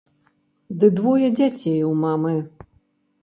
Ды двое дзяцей у мамы!